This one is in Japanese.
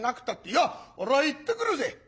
「いや俺は行ってくるぜ」。